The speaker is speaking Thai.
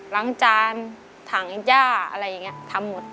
ล้างจานถังย่าอะไรอย่างนี้ทำหมด